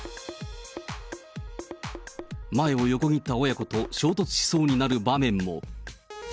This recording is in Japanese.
前を横切った親子と衝突しそうになる場面も。